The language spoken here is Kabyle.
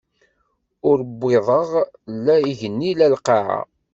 Ur wwiḍeɣ la igenni, la lqaɛa.